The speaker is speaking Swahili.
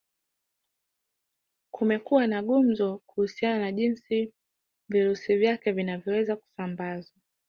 Kumekuwa na gumzo kuhusiana na jinsi virusi vyake vinavyoweza kusambazwa